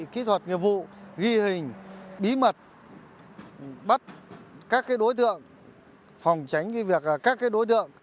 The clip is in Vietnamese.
kỹ thuật nghiệp vụ ghi hình bí mật bắt các đối tượng phòng tránh việc các đối tượng